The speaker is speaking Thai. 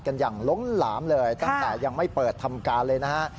กันอย่างล้นหลามเลยตั้งแต่ยังไม่เปิดทำการเลยนะฮะ